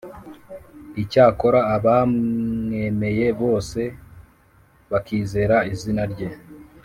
Icyakora abamwemeye bose, bakizera izina rye,